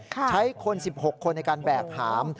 ใช้คน๑๖คนในการแบกหาม